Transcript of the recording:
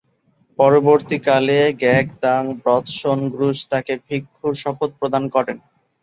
পরবর্তীকালে ঙ্গাগ-দ্বাং-ব্রত্সোন-'গ্রুস তাকে ভিক্ষুর শপথ প্রদান করেন।